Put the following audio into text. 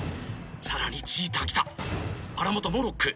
さらにちーたーきた荒本もロック。